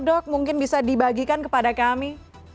dok mungkin bisa dibagikan kepada kami